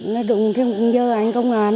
nó đụng theo như anh công an